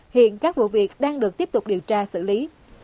hiện các vụ việc đang được tiếp tục điều tra xử lý